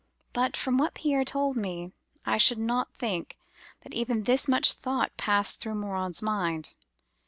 But, from what Pierre told me, I should not think that even this much thought passed through Morin's mind.